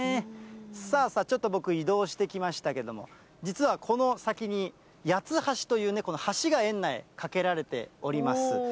さあさあ、ちょっと僕、移動してきましたけれども、実はこの先に、八つ橋という橋が園内、架けられております。